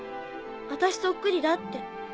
「私そっくりだ」って。